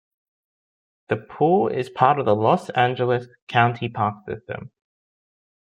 The pool is part of the Los Angeles County Park system.